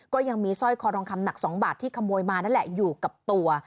ก็ยังมีสร้อยคอทองคำหนัก๒บาทที่ขโมยมานั่นแหละอยู่กับตัว